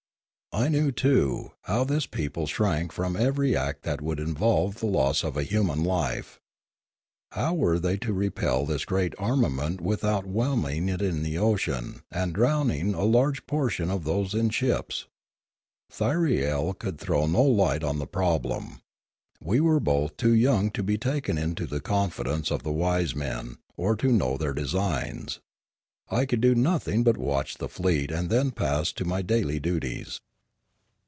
I knew, too, how this people shrank from every act that would involve the loss of a human life. How were they to repel this great armament without whelming it in the ocean and drowning a large proportion of those in the ships ? Thyriel could throw no light on the problem; we were both too young to be takep into the confidence of the wise men or to know their designs. I could do nothing but watch the fleet and then pass to my daily duties.